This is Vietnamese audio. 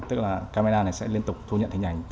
tức là camera này sẽ liên tục thu nhận hình ảnh